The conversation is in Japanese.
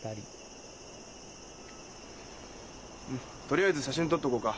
とりあえず写真撮っとこうか？